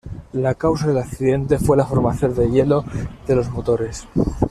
La causa del accidente fue la formación de hielo de los motores.